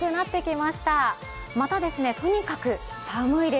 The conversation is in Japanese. また、とにかく寒いです。